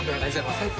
最高。